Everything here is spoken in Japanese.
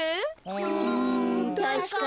うんたしかに。